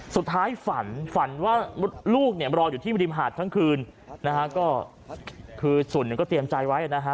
สุดท้ายฝันว่าลูกเนี่ยรออยู่ที่ดิมหาดทั้งคืนนะครับก็คือสุ่นก็เตรียมใจไว้นะฮะ